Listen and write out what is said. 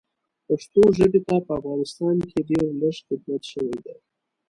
پښتو ژبې ته په افغانستان کې ډېر لږ خدمت شوی ده